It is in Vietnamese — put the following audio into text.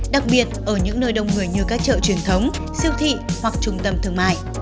đặc biệt ở những nơi đông người như các chợ truyền thống siêu thị hoặc trung tâm thương mại